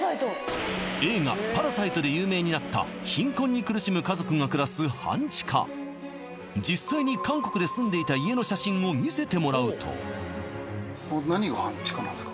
映画「パラサイト」で有名になった貧困に苦しむ家族が暮らす半地下実際に韓国で住んでいた家の写真を見せてもらうと何が半地下なんですか？